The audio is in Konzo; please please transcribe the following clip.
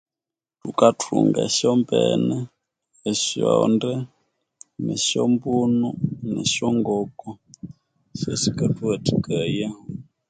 Thukathunga esyombene esyonde esyombunu esyongoko syesikathuwathikaya